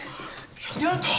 やった！